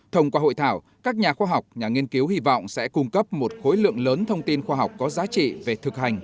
thông qua hội thảo các nhà khoa học nhà nghiên cứu hy vọng sẽ cung cấp một khối lượng lớn thông tin khoa học có giá trị về thực hành